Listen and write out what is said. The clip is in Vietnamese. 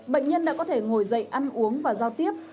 bệnh nhân đã có thể ngồi dậy ăn uống và giao tiếp